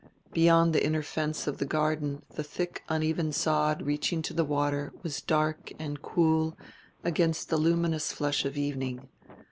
Beyond the inner fence of the garden the thick uneven sod reaching to the water was dark and cool against the luminous flush of evening.